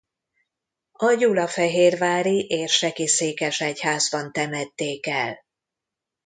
A gyulafehérvári érseki székesegyházban temették el.